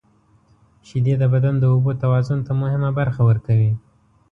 • شیدې د بدن د اوبو توازن ته مهمه برخه ورکوي.